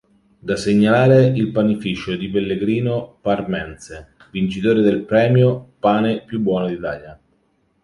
Da segnalare il panificio di pellegrino parmense, vincitore del premio "Pane più buono d'Italia".